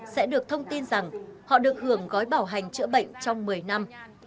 sẽ được thông tin rằng họ được hưởng gói bảo hành chữa bệnh trong một mươi năm